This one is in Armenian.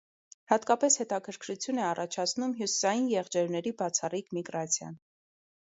Հատկապես հետաքրքրություն է առաջացնում հյուսիսային եղջերուների բացառիկ միգրացիան։